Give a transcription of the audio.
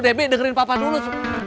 debbie dengerin papa dulu